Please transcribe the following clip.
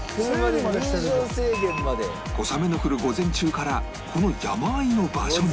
小雨の降る午前中からこの山あいの場所に